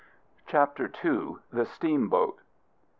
CHAPTER II. THE STEAMBOAT.